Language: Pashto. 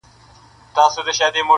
د پاچا لمن لاسونو كي روان وه.!